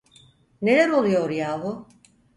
Neler oluyor yahu?